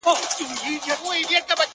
دوه غوايي يې ورته وچیچل په لار کي!.